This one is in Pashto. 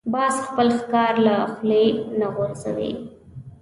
باز خپل ښکار له خولې نه غورځوي